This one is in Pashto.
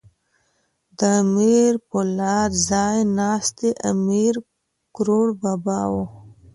د امیر پولاد ځای ناستی امیر کروړ بابا وو.